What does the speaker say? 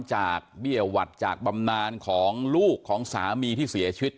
เบี้ยหวัดจากบำนานของลูกของสามีที่เสียชีวิต